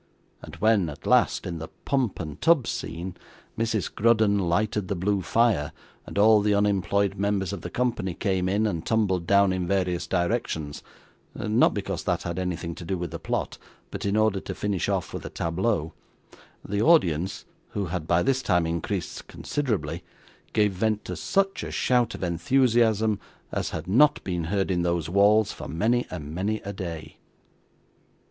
And when, at last, in the pump and tub scene, Mrs Grudden lighted the blue fire, and all the unemployed members of the company came in, and tumbled down in various directions not because that had anything to do with the plot, but in order to finish off with a tableau the audience (who had by this time increased considerably) gave vent to such a shout of enthusiasm as had not been heard in those walls for many and many a day.